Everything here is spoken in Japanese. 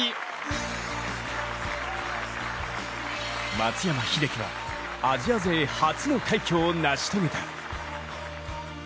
松山英樹は、アジア勢初の快挙を成し遂げた。